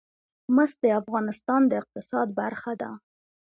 مس د افغانستان د اقتصاد برخه ده.